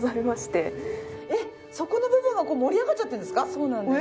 そうなんです。